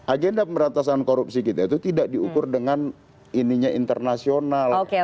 agenda pemberantasan korupsi kita itu tidak diukur dengan ininya internasional